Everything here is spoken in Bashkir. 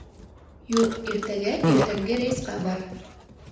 Юҡ, иртәгә иртәнге рейсҡа бар